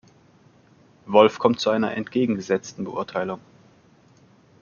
Wolf kommt zu einer entgegengesetzten Beurteilung.